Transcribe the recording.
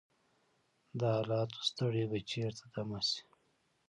د حالاتو ستړی به چیرته دمه شي؟